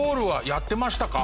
やってましたね。